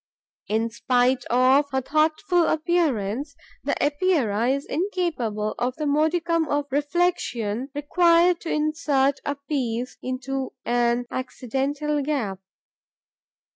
In spite of her thoughtful appearance, the Epeira is incapable of the modicum of reflexion required to insert a piece into an accidental gap.